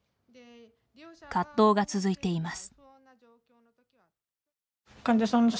葛藤が続いています。